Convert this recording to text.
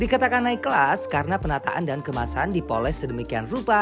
dikatakan naik kelas karena penataan dan kemasan dipoles sedemikian rupa